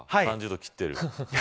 ３０度を切っている。